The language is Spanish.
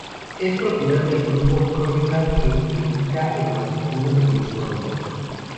Es propiedad del Grupo Crónica, que edita el matutino del mismo nombre.